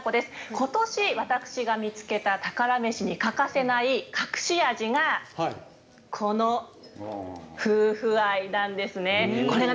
今年、私が見つけた宝メシに欠かせない隠し味が、この夫婦愛なんですね。